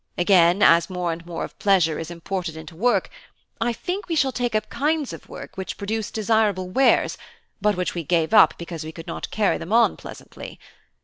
Again, as more and more of pleasure is imported into work, I think we shall take up kinds of work which produce desirable wares, but which we gave up because we could not carry them on pleasantly.